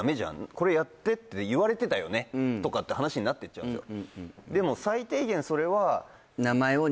「これやってって言われてたよね」とかって話になってっちゃうんですよ